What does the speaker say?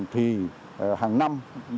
thì hàng năm